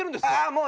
もう。